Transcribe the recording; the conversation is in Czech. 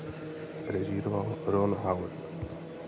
Režíroval Ron Howard.